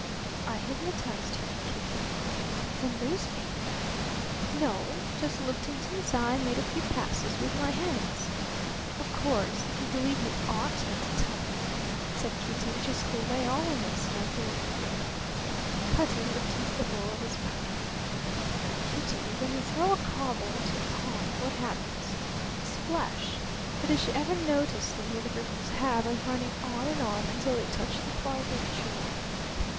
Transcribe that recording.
"I hypnotized him, Kitty." "The newspaper?" "No. Just looked into his eye and made a few passes with my hands." "Of course, if you believe you ought not to tell me " said Kitty, which is the way all women start their wheedling. Cutty looked into the bowl of his pipe. "Kitty, when you throw a cobble into a pond, what happens? A splash. But did you ever notice the way the ripples have of running on and on, until they touch the farthest shore?"